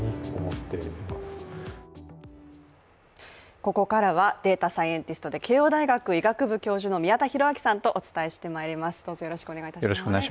ここからはデータサイエンティストで慶応大学医学部教授の宮田裕章さんとお伝えしてまいります。